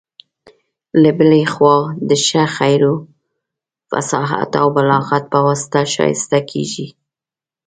له بلي خوا د ښه خبرو، فصاحت او بلاغت په واسطه ښايسته کيږي.